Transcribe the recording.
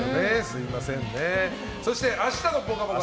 そして明日の「ぽかぽか」